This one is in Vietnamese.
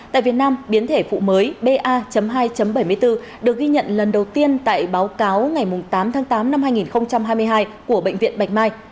tại việt nam biến thể phụ mới ba hai bảy mươi bốn được ghi nhận lần đầu tiên tại báo cáo ngày tám tháng tám năm hai nghìn hai mươi hai của bệnh viện bạch mai